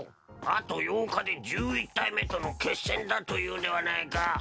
あと８日で１１体目との決戦だというではないか。